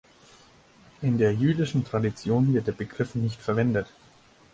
In der jüdischen Tradition wird der Begriff nicht verwendet.